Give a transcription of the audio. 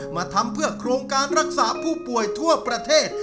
มาทำเพื่อโครงการรักษาผู้ป่วยทั่วประเทศ